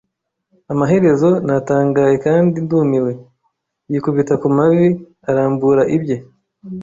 amaherezo, natangaye kandi ndumiwe, yikubita ku mavi arambura ibye